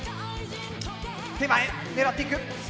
手前狙っていく。